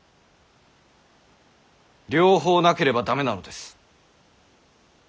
両方なければ駄目なのです。